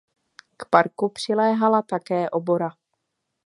K parku přiléhala také obora.